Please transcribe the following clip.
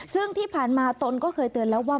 ซึ่งที่ผ่านมาตนก็เคยเตือนแล้วว่า